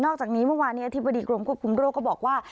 จากนี้เมื่อวานนี้อธิบดีกรมควบคุมโรคก็บอกว่า